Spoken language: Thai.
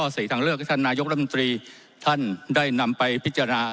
สี่ทางเลือกที่ท่านนายกรัฐมนตรีท่านได้นำไปพิจารณา